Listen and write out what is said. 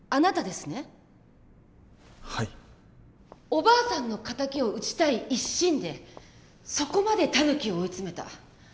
おばあさんの敵を討ちたい一心でそこまでタヌキを追い詰めた。